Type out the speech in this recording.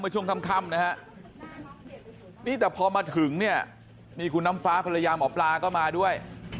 ช่วงค่ำนะฮะนี่แต่พอมาถึงเนี่ยนี่คุณน้ำฟ้าภรรยาหมอปลาก็มาด้วย